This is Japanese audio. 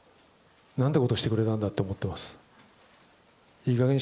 なんてことしてくれたんだって思ってます。